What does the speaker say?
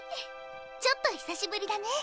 ちょっと久しぶりだね。